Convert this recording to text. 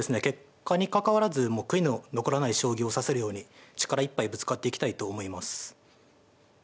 結果にかかわらず悔いの残らない将棋を指せるように力いっぱいぶつかっていきたいと思います。